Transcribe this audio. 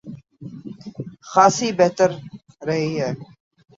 خاصی بہتر رہی ہے۔